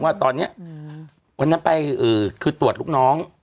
ว่าตอนนี้วันนั้นไปคือตรวจลูกน้อง